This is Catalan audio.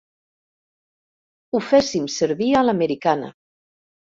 Ho féssim servir a l'americana.